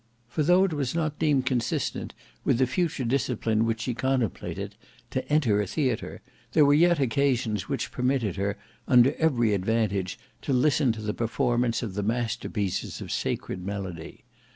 For though it was not deemed consistent with the future discipline which she contemplated to enter a theatre, there were yet occasions which permitted her, under every advantage, to listen to the performance of the master pieces of sacred melody.